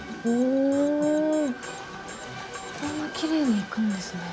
こんなきれいにいくんですね。